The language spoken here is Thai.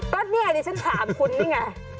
ก็เนี่ยดิฉันถามคุณนี่ไง